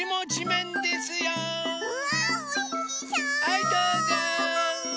はいどうぞ。